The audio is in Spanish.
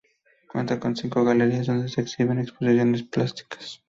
Cuenta con cinco galerías donde se exhiben exposiciones plásticas.